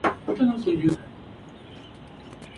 Se introduce en moldes y se procede a su prensado.